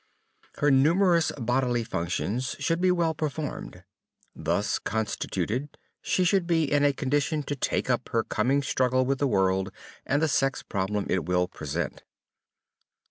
Her numerous bodily functions should be well performed. Thus constituted she should be in a condition to take up her coming struggle with the world, and the sex problem it will present.